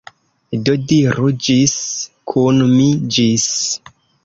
Do diru ĝis kun mi. Ĝis!